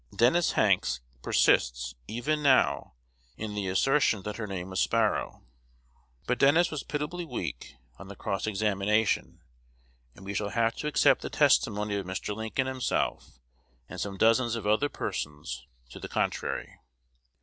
Dennis Hanks persists even now in the assertion that her name was Sparrow; but Dennis was pitiably weak on the cross examination: and we shall have to accept the testimony of Mr. Lincoln himself, and some dozens of other persons, to the contrary.